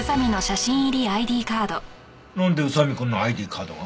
なんで宇佐見くんのＩＤカードが？